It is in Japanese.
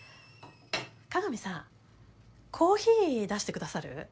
鏡さんコーヒー出してくださる？